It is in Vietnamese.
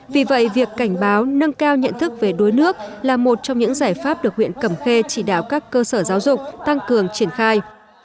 vì vậy việc cảnh báo nâng cao nhận thức về đuối nước là một trong những giải pháp được huyện cẩm khê chỉ đạo các cơ sở giáo dục tăng cường triển khai